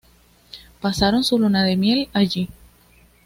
Pasaron su luna de miel allí.